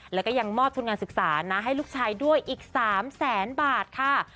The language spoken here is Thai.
แล้วก็ยังมอบทุนการศึกษานะให้ลูกชายด้วยอีก๓แสนบาทค่ะ